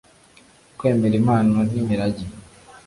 kwemera impano n'imirage